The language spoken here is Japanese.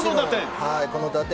この打点！